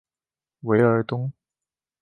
韦尔东。